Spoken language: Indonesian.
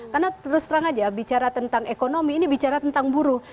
karena terus terang aja bicara tentang ekonomi ini bicara tentang buruh